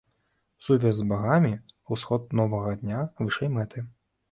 Сувязь з багамі, усход новага дня, вышэй мэты.